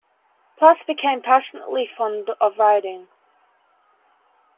Platt became passionately fond of writing.